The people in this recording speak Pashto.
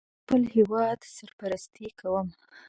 زه د خپل هېواد سرپرستی کوم